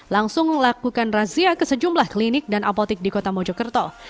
langsung melakukan razia ke sejumlah klinik dan apotik di kota mojokerto